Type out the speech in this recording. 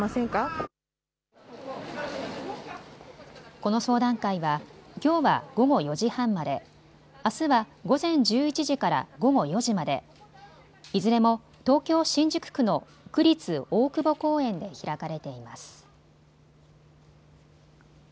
この相談会はきょうは午後４時半まで、あすは午前１１時から午後４時まで、いずれも東京新宿区の区立大久保公園で開かれています。